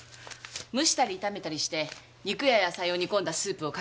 蒸したり炒めたりして肉や野菜を煮込んだスープをかけて食べる。